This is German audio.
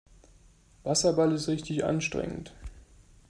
Wasserball ist richtig anstrengend.